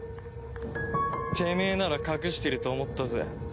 てめえなら隠してると思ったぜ。